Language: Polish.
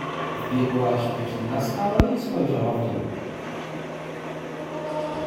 "Wbiegła śpiesznie na skałę i spojrzała w dół."